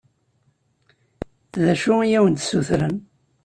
D acu i awen-d-ssutren?